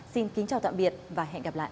xin kính chào tạm biệt và hẹn gặp lại